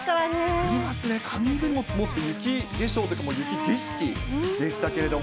降りますね、完全にもう積もって、雪化粧というか、雪景色でしたけれども。